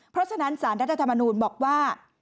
เพราะฉะนั้นสารรัฐธรรมนูลบอกว่า